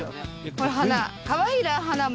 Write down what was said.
これ花かわいいら花も。